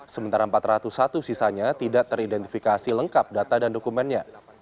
sementara empat ratus satu sisanya tidak teridentifikasi lengkap data dan dokumennya